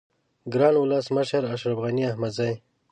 گران ولس مشر اشرف غنی احمدزی